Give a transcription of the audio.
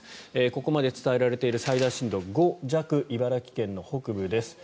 ここまで伝えられている最大震度は５弱茨城県北部です。